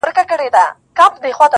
خدای مي تاج وو پر تندي باندي لیکلی-